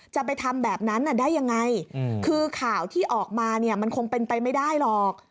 จะไปทำแบบนั้นได้ยังไงคือข่าวที่ออกมาเนี่ยมันคงเป็นไปไม่ได้หรอก